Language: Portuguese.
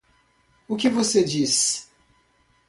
O que você diz